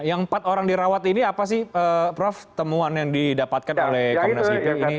yang empat orang dirawat ini apa sih prof temuan yang didapatkan oleh komnas ip ini